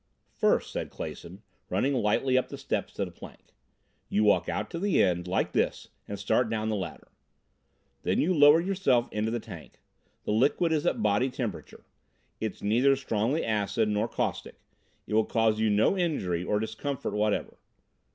"First," said Clason, running lightly up the steps to the plank, "you walk out to the end, like this, and start down the ladder. Then you lower yourself into the tank. The liquid is at body temperature; it's neither strongly acid nor caustic; it will cause you no injury or discomfort whatever.